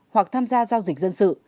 hoặc tham gia giao dịch dân sự